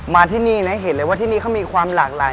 มาที่นี่นะเห็นเลยว่าที่นี่เขามีความหลากหลาย